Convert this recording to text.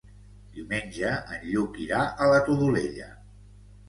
Diumenge en Lluc irà a la Todolella.